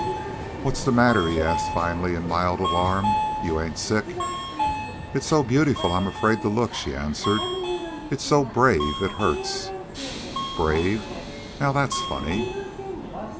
"What's the matter?" he asked finally, in mild alarm. "You ain't sick?" "It's so beautiful I'm afraid to look," she answered. "It's so brave it hurts." "BRAVE? now that's funny."